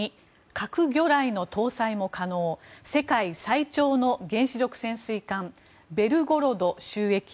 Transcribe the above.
２核魚雷の搭載も可能世界最長の原子力潜水艦「ベルゴロド」就役。